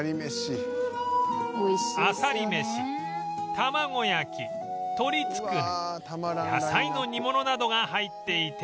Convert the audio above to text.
あさり飯玉子焼き鶏つくね野菜の煮物などが入っていて